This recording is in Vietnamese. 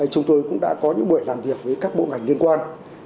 chúng tôi cũng đã có những buổi làm việc với các bộ ngành liên quan